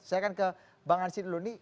saya akan ke bang hansi dulu